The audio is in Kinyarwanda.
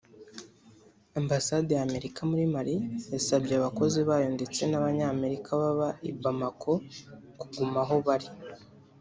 Ambasade ya Amerika muri Mali yasabye abakozi bayo ndetse n’Abanyamerika baba i Bamako kuguma aho bari